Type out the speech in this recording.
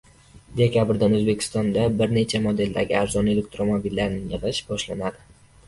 Dekabrdan O‘zbekistonda bir necha modeldagi arzon elektromobillarni yig‘ish boshlanadi